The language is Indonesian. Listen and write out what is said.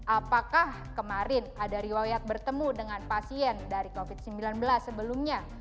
apakah kemarin ada riwayat bertemu dengan pasien dari covid sembilan belas sebelumnya